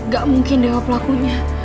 gak mungkin dewa pelakunya